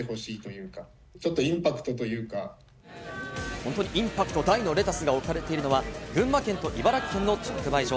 本当にインパクト大のレタスが置かれているのは群馬県と茨城県の直売所。